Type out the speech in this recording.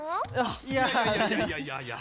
いやいやいやいやいや。